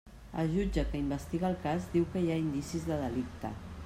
El jutge que investiga el cas diu que hi ha indicis de delicte.